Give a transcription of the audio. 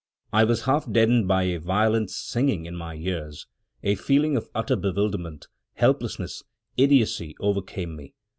I was half deafened by a violent singing in my ears; a feeling of utter bewilderment, helplessness, idiocy, overcame me.